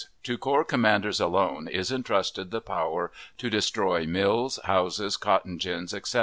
To corps commanders alone is intrusted the power to destroy mills, houses, cotton gins, etc.